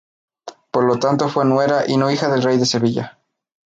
Por lo tanto fue nuera y no hija del rey de Sevilla.